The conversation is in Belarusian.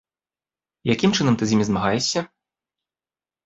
Якім чынам ты з імі змагаешся?